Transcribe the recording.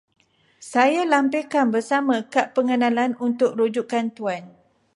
Saya lampirkan bersama kad pengenalan untuk rujukan Tuan.